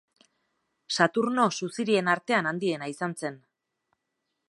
Saturno suzirien artean handiena izan zen.